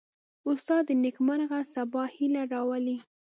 استاد د نیکمرغه سبا هیله راولي.